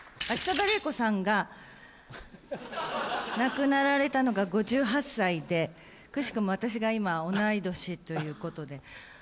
秋定麗子さんが亡くなられたのが５８歳でくしくも私が今同い年ということで。